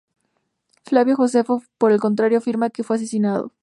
Flavio Josefo, por el contrario, afirma que fue asesinado.